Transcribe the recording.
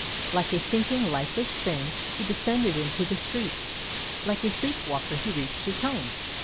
Like a sinking, lifeless thing, he descended into the street; like a sleep walker he reached his home.